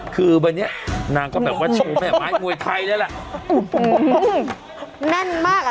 คือวันนี้นางก็แบบว่าชูแม่ไม้มวยไทยได้แหละแน่นมากอ่ะ